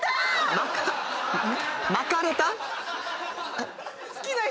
「撒かれた」？